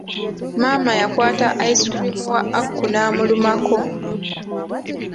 Maama yakwata ice cream wa Aku n'amulumako.